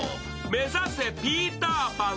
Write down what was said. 目指せピーター・パン！